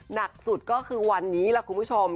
หนักสุดก็คือวันนี้ล่ะคุณผู้ชม